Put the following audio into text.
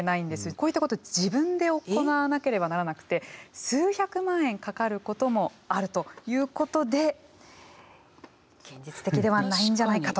こういったことを自分で行わなければならなくて数百万円かかることもあるということで現実的ではないんじゃないかという声